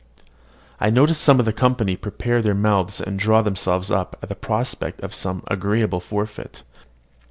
I noticed some of the company prepare their mouths and draw themselves up at the prospect of some agreeable forfeit.